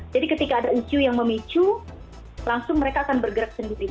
ketika ada isu yang memicu langsung mereka akan bergerak sendiri